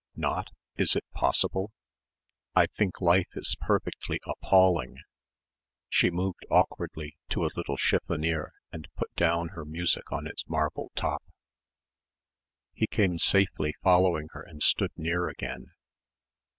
"Not? Is it possible?" "I think life is perfectly appalling." She moved awkwardly to a little chiffonier and put down her music on its marble top. He came safely following her and stood near again.